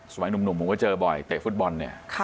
หนุ่มผมก็เจอบ่อยเตะฟุตบอลเนี่ย